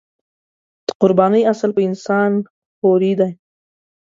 د قربانۍ اصل یې انسان خوري دی.